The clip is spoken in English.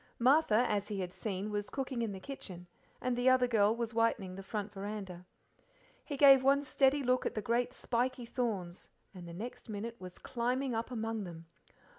Martha, as he had seen, was cooking in the kitchen, and the other girl was whitening the front veranda. He gave one steady look at the great spiky thorns, and the next minute was climbing up among them.